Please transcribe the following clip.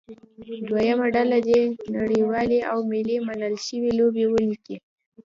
دویمه ډله دې نړیوالې او ملي منل شوې لوبې ولیکي.